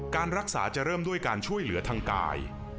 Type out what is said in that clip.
การรักษาจะเริ่มด้วยการช่วยเหลือทางกาย